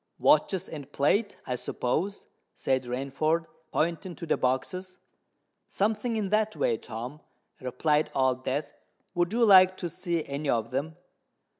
"Watches and plate, I suppose?" said Rainford, pointing to the boxes. "Something in that way, Tom," replied Old Death. "Would you like to see any of them?"